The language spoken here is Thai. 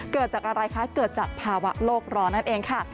เกิดจากอะไรคะเกิดจากภาวะโลกร้อนนั่นเองค่ะ